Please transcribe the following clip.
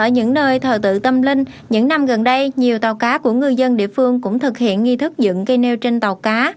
ở những nơi thờ tự tâm linh những năm gần đây nhiều tàu cá của ngư dân địa phương cũng thực hiện nghi thức dựng cây nêu trên tàu cá